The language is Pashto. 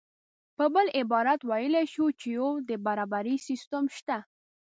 په بل عبارت ویلی شو چې یو د برابرۍ سیستم شته